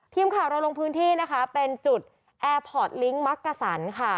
ทีมข่าวเราลงพื้นที่นะคะเป็นจุดแอร์พอร์ตลิงค์มักกะสันค่ะ